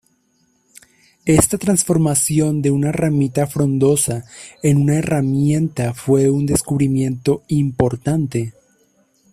Esta transformación de una ramita frondosa en una herramienta fue un descubrimiento importante.